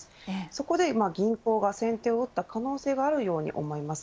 そこで銀行が先手を打った可能性があるように思います。